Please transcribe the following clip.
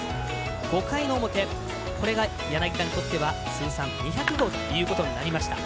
５回の表、これが柳田にとっては通算２００号のホームランということになりました。